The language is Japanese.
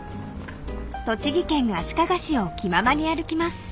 ［栃木県足利市を気ままに歩きます］